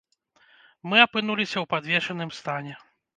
Мы апынуліся ў падвешаным стане.